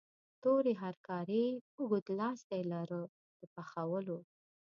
تورې هرکارې اوږد لاستی لاره د پخولو.